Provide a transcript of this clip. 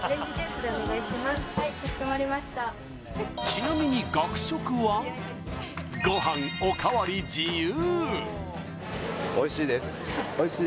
ちなみに学食は、ご飯おかわり自由。